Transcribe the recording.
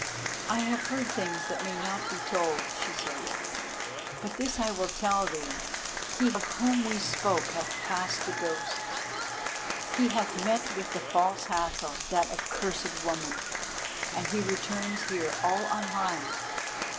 "I have heard things that may not be told," she said, "but this I will tell thee. He of whom we spoke hath passed the ghosts, he hath met with the False Hathor—that accursed woman—and he returns here all unharmed.